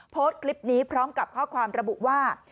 โพสต์คลิปนี้พร้อมกับข้อความระบุว่า